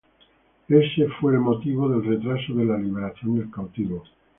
Ese fue el motivo del retraso en la liberación del cautivo.